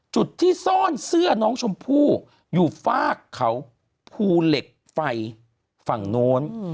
จุดที่ซ่อนเสื้อน้องชมพู่อยู่ฝากเขาภูเหล็กไฟฝั่งโน้น